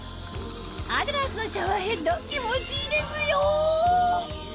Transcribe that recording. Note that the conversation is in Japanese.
アデランスのシャワーヘッド気持ちいいですよ！